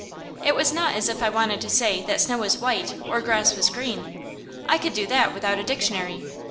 It was not as if I wanted to say that snow was white or grass was green. I could do that without a dictionary.